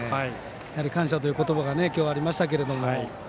感謝という言葉が今日はありましたけども。